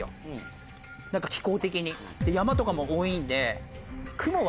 山とかも多いんで。